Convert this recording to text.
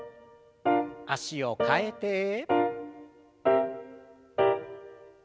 脚を替えて。